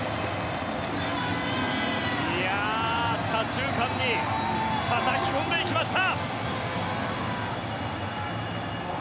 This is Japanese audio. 左中間にたたき込んでいきました。